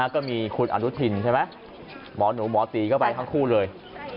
ก็มีคุณอนุทินใช่ไหมหมอหนูหมอตีก็ไปทั้งคู่เลย